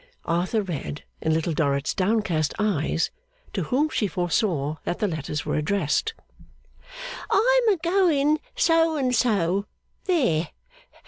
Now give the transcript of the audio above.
Arthur read, in Little Dorrit's downcast eyes, to whom she foresaw that the letters were addressed. 'I'm a going So and So. There!